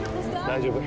大丈夫。